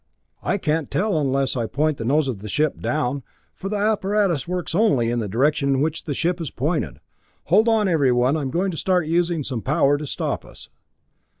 "I can't tell unless I point the nose of the ship down, for the apparatus works only in the direction in which the ship is pointed. Hold on, everyone, I am going to start using some power to stop us."